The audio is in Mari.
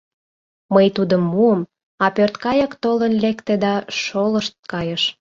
Мый тудым муым, а пӧрткайык толын лекте да шолышт кайыш.